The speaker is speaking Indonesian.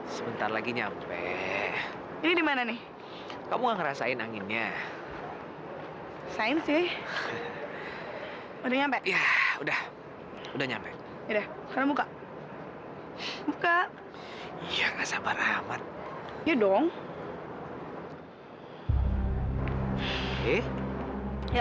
sampai jumpa di video selanjutnya